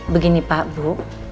begini pak bu